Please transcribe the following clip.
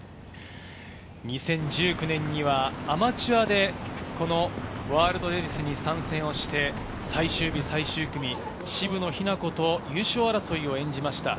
２０１９年にはアマチュアでこのワールドレディスに参戦して最終日・最終組、渋野日向子と優勝争いを演じました。